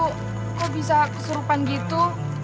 kok bisa keserupan gitu